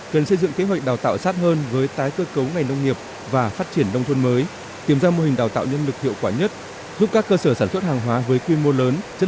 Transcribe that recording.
cần xây dựng kế hoạch đào tạo sát hơn với tái cơ cấu ngày nông nghiệp và phát triển nông thuân mới tìm ra mô hình đào tạo nhân lực hiệu quả nhất giúp các cơ sở sản xuất hàng hóa với quy mô lớn chất lượng cao hơn